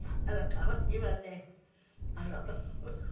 可愛いわね。